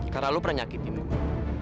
karena lu pernah nyakitin gua